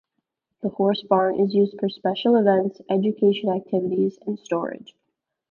The horse barn is used for special events, education activities, and storage.